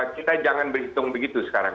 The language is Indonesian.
kita jangan berhitung begitu sekarang